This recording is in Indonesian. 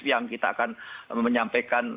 yang kita akan menyampaikan